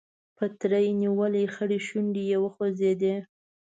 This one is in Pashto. پتري نيولې خړې شونډې يې وخوځېدې.